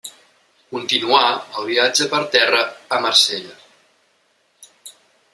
Continuà el viatge per terra a Marsella.